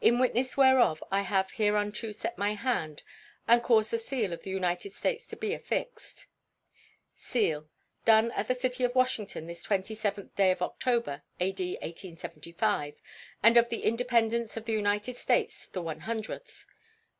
In witness whereof I have hereunto set my hand and caused the seal of the United States to be affixed. [SEAL.] Done at the city of Washington, this 27th day of October, A.D. 1875, and of the Independence of the United States the one hundredth.